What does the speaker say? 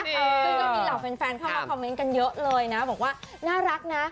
ซึ่งก็มีเหล่าแฟนเข้ามาคอมเมนต์กันเยอะเลยนะบอกว่าน่ารักนะ